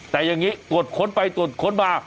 แต่อย่างนี้ตรวจค้นไปตรวจค้นมา